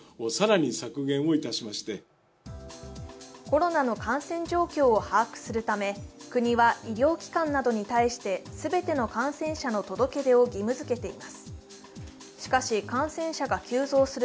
コロナの感染状況を把握するため国は医療機関などに対して全ての感染者の届け出を義務づけています。